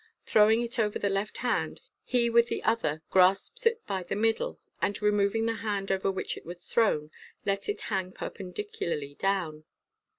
Throwing it over the left hand, he with the other grasps it by the middle, and removing the hand over which it was thrown, lets it hang perpen dicularly down.